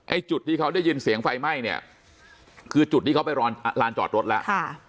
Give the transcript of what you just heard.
จุดที่เขาได้ยินเสียงไฟไหม้เนี่ยคือจุดที่เขาไปลานจอดรถแล้วค่ะ